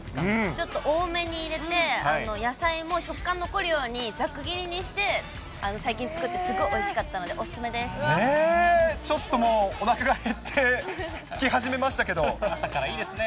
ちょっと多めに入れて、野菜も食感残るように、ざく切りにして最近作って、すごいおいしかったのちょっともう、おなかが減ってきはじめましたけど。朝からいいですね。